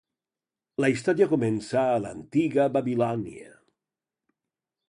La història comença a l'antiga Babilònia.